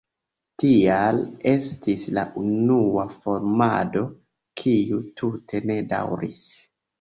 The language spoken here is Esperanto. Tial estis la unua formado, kiu tute ne daŭris.